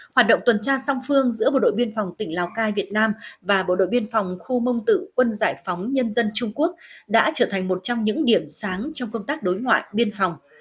hoạt động tuần tra song phương giữa bộ đội biên phòng tỉnh lào cai việt nam và bộ đội biên phòng khu mông tự quân giải phóng nhân dân trung quốc đã trở thành một trong những điểm sáng trong công tác đối ngoại biên phòng